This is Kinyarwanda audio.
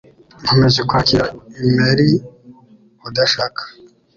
Nkomeje kwakira imeri udashaka.